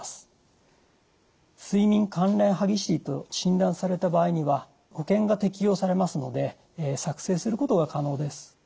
睡眠関連歯ぎしりと診断された場合には保険が適用されますので作成することが可能です。